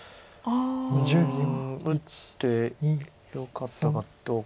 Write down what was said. うん打ってよかったかどうか。